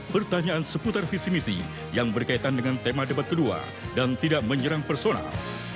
pertanyaan seputar visi misi yang berkaitan dengan tema debat kedua dan tidak menyerang personal